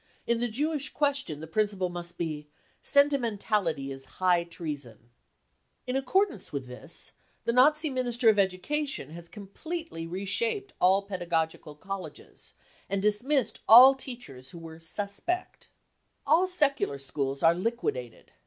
... In the Jewish question the principle must be : c Sentimentality is high treason. 5 55 T In accordance with this, the Nazi Minister of Education has completely re shaped all pedagogical colleges, and dismissed all teachers who were " suspect. 55 All secular schools are liquidated.